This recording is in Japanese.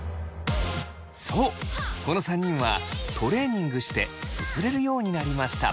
そうこの３人はトレーニングしてすすれるようになりました。